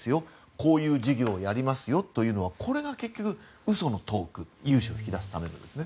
こういう事業をやりますよというのがこれが結局、嘘のトーク融資を引き出すためですね。